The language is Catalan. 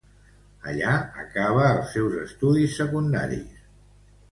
Allí acaba els seus estudis secundaris.